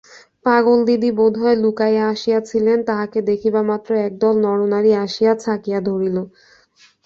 পাগলদিদি বোধহয় লুকাইয়া আসিয়াছিলেন, তাহাকে দেখিবামাত্র একদল নরনারী আসিয়া ছাকিয়া ধরিল।